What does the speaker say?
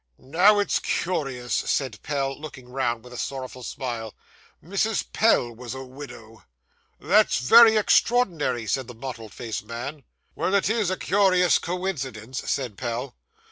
'Now, it's curious,' said Pell, looking round with a sorrowful smile; 'Mrs. Pell was a widow.' 'That's very extraordinary,' said the mottled faced man. 'Well, it is a curious coincidence,' said Pell.